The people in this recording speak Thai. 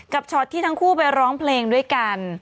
ช็อตที่ทั้งคู่ไปร้องเพลงด้วยกัน